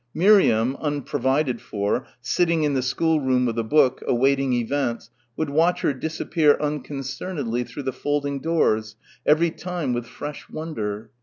Miriam, unprovided for, sitting in the schoolroom with a book, awaiting events, would watch her disappear unconcernedly through the folding doors, every time with fresh wonder.